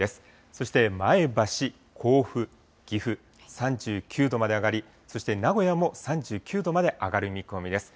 そして前橋、甲府、岐阜、３９度まで上がり、そして名古屋も３９度まで上がる見込みです。